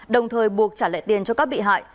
đồng thời buộc trả lại tiền cho các bị hại